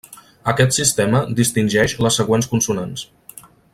Aquest sistema distingeix les següents consonants.